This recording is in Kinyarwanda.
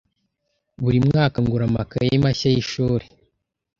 Buri mwaka, ngura amakaye mashya yishuri.